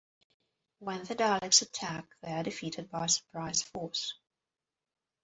When the Daleks attack, they are defeated by a surprise force.